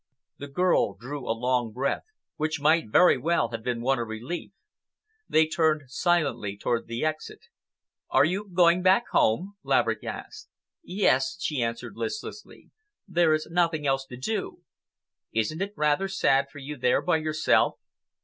The girl drew a long breath, which might very well have been one of relief. They turned silently toward the exit. "Are you going back home?" Laverick asked. "Yes," she answered listlessly. "There is nothing else to do." "Isn't it rather sad for you there by yourself?"